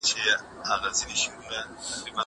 زه اجازه لرم چي قلمان پاک کړم!